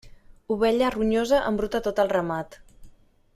Ovella ronyosa, embruta tot el ramat.